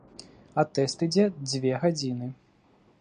А тэст ідзе дзве гадзіны.